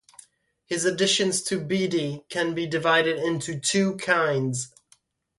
His additions to Bede can be divided into two kinds.